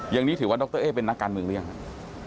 อย่างนี้ถือว่าดรเอ๊เป็นนักการเมืองหรือยังครับ